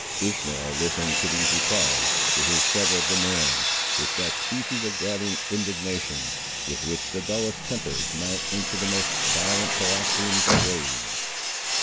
Ishmael listened to these replies, to his several demands, with that species of gathering indignation, with which the dullest tempers mount into the most violent paroxysms of rage.